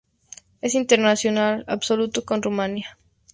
Es internacional absoluto con Rumania.